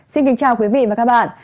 xin kính chào quý vị và các bạn